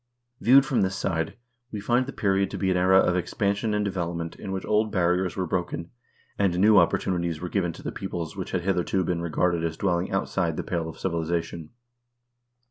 Viewed from this side, we find the period to be an era of expansion and development in which old barriers were broken, and new opportunities were given to the peoples which had hitherto been regarded as dwelling outside the pale of civilization.